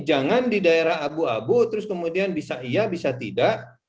jangan di daerah abu abu terus kemudian bisa iya bisa tidak